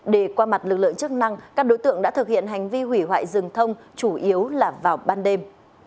để qua mặt lực lượng chức năng các đối tượng đã thực hiện hành vi hủy hoại rừng thông chủ yếu là vào ban đêm